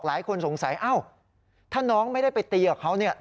หลายคนสงสัยเอ้าถ้าน้องไม่ได้ไปตีกับเขาเนี่ย